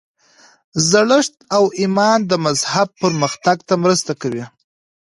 زړښت او ایمان د مذهب پرمختګ ته مرسته کوي.